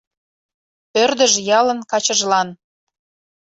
Ӧрдыж ялын качыжлан